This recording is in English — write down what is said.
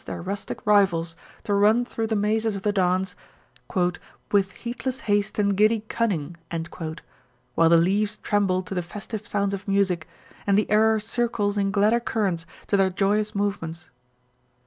433 their rustic rivals to run through the mazes of the dance * With heedless haste and giddy cunning, while the leaves tremble to the festive sounds of music, and the air circles in gladder currents to their joyous movements